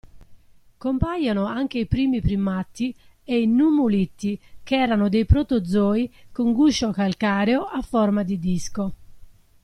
Compaiono anche i primi primati e i nummuliti che erano dei protozoi con guscio calcareo a forma di disco.